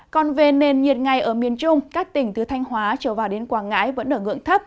còn về nền nhiệt ngày ở miền trung các tỉnh từ thanh hóa trở vào đến quảng ngãi vẫn ở ngưỡng thấp